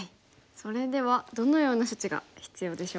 それではどのような処置が必要でしょうか。